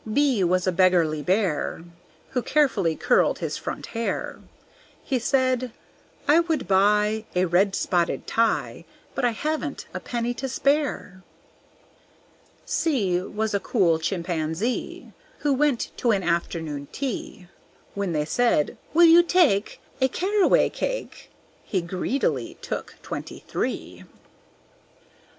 B was a beggarly Bear, Who carefully curled his front hair; He said, "I would buy A red spotted tie, But I haven't a penny to spare." C was a cool Chimpanzee, Who went to an afternoon tea. When they said, "Will you take A caraway cake?" He greedily took twenty three!